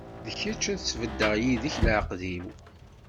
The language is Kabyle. Ma d kečč, ad sbeddeɣ yid-k leɛqed-iw.